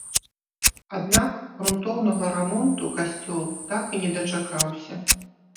Аднак грунтоўнага рамонту касцёл так і не дачакаўся.